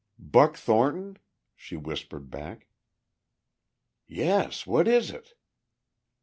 "Buck Thornton?" she whispered back. "Yes. What is it?"